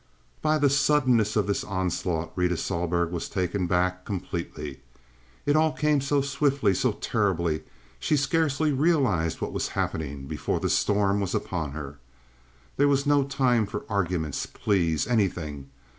By the suddenness of this onslaught Rita Sohlberg was taken back completely. It all came so swiftly, so terribly, she scarcely realized what was happening before the storm was upon her. There was no time for arguments, pleas, anything.